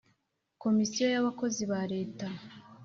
Komisiyo y abakozi ba Leta